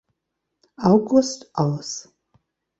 August aus.